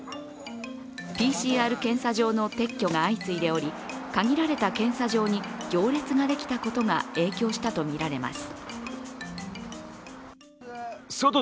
ＰＣＲ検査場の撤去が相次いでおり限られた検査場に行列ができたことが影響したとみられます。